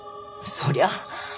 そりゃあ。